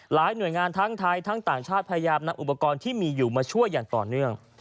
หน่วยงานทั้งไทยทั้งต่างชาติพยายามนำอุปกรณ์ที่มีอยู่มาช่วยอย่างต่อเนื่อง